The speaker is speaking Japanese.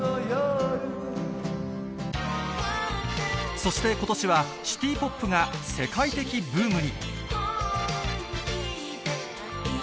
そしてことしはシティポップが世界的ブームに。